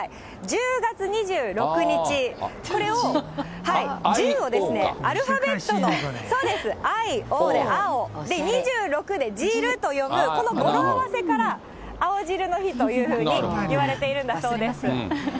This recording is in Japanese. １０月２６日、これを１０を、アルファベットの、そうです、ＩＯで青、２６でじると読む、この語呂合わせから、青汁の日というふうにいわれているんだそうです。